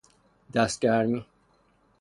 دست گرمی